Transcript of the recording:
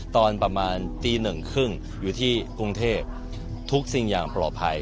ตอนประมาณตีหนึ่งครึ่งอยู่ที่กรุงเทพทุกสิ่งอย่างปลอดภัย